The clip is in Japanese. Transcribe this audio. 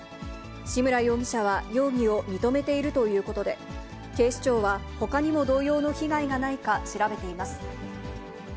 志村容疑者は容疑を認めているということで、警視庁は、ほかにも同様の被害がないか調べています。